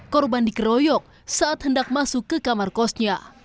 korban dikeroyok saat hendak masuk ke kamar kosnya